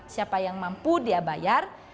siapa yang mampu dia bayar